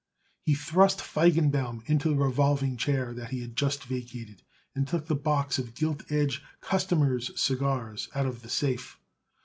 He thrust Feigenbaum into the revolving chair that he had just vacated, and took the box of gilt edge customers' cigars out of the safe.